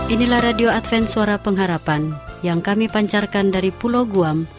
inilah radio adven suara pengharapan yang kami pancarkan dari pulau guam